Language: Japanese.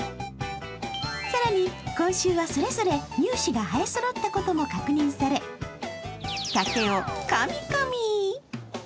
更に、今週はそれぞれ乳歯が生えそろったことも確認され竹をカミカミ。